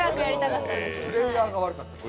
プレーヤーが悪かった。